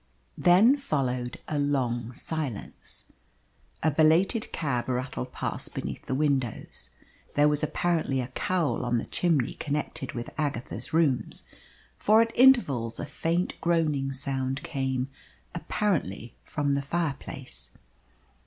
Then followed a long silence. A belated cab rattled past beneath the windows. There was apparently a cowl on the chimney connected with Agatha's room, for at intervals a faint groaning sound came, apparently from the fireplace.